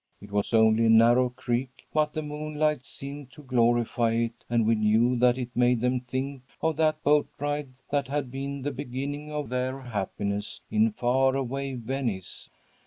It was only a narrow creek, but the moonlight seemed to glorify it, and we knew that it made them think of that boat ride that had been the beginning of their happiness, in far away Venice.